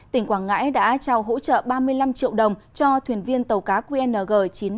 tỉnh quảng ngãi đã trao hỗ trợ ba mươi năm triệu đồng cho thuyền viên tàu cá qng chín mươi năm nghìn sáu trăm một mươi tám